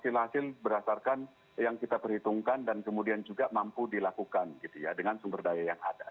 jadi kita harus berhasil berdasarkan yang kita perhitungkan dan kemudian juga mampu dilakukan gitu ya dengan sumber daya yang ada